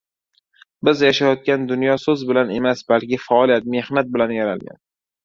Biz yashayotgan dunyo so‘z bilan emas, balki faoliyat, mehnat bilan yaralgan.